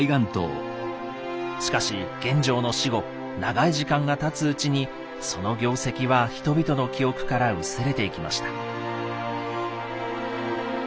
しかし玄奘の死後長い時間がたつうちにその業績は人々の記憶から薄れていきました。